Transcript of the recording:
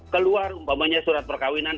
keluar umpamanya surat perkahwinan